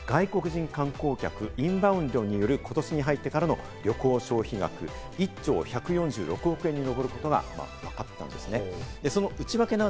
データで見てみますと、外国人観光客、インバウンドによる今年に入ってからの旅行消費額、１兆１４６億円に上ることがわかりました。